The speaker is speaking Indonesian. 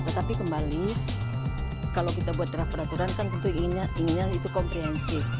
tetapi kembali kalau kita buat draft peraturan kan tentu inginnya itu komprehensif